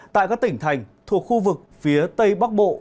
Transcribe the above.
tại các tỉnh thành thuộc khu vực phía tây bắc bộ